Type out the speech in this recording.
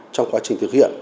trong quá trình thực hiện